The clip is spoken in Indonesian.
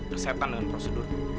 kesetan dengan prosedur